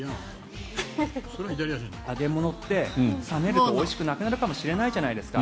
揚げ物って冷めるとおいしくなくなるかもしれないじゃないですか。